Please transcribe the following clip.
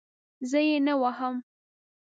زه یې نه وهم.